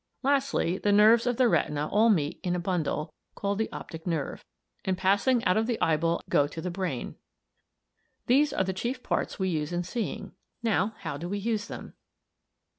Lastly, the nerves of the retina all meet in a bundle, called the optic nerve, and passing out of the eyeball at a point on, go to the brain. These are the chief parts we use in seeing; now how do we use them?